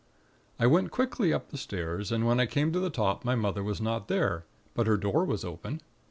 "I went quickly up the stairs, and when I came to the top, my mother was not there; but her door was open.